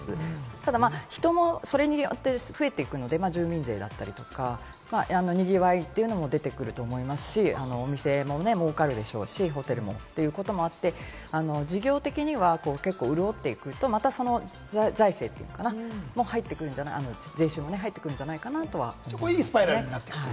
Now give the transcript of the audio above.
ただ、人もそれによって増えていくので、住民税だったりとか、賑わいというのも出てくると思いますし、お店ももうかるでしょうし、ホテルもということもあって、事業的には結構潤っていくと、またその財政というか、税収も入ってくるんじゃないかなとは思います。